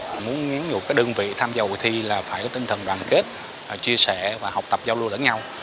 họ muốn cái đơn vị tham gia hội thi là phải có tinh thần đoàn kết chia sẻ và học tập giao lưu lẫn nhau